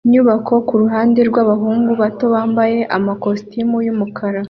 nyubako kuruhande rwabahungu bato bambaye amakositimu yumukara